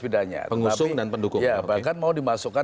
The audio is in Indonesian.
ketika disambung disitu